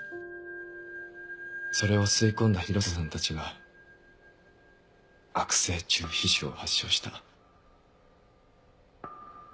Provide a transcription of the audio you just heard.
それを吸い込んだ広瀬さんたちが悪性中皮腫を発症した。